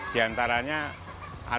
di antaranya kita mengajukan empat puluh lima